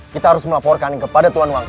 kita harus melaporkan kepada tuhan wangi